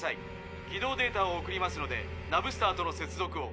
軌道データを送りますのでナブスターとの接続を」。